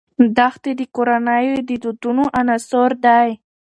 دښتې د کورنیو د دودونو عنصر دی.